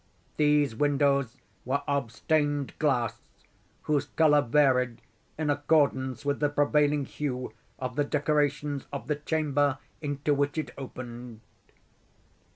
These windows were of stained glass whose color varied in accordance with the prevailing hue of the decorations of the chamber into which it opened.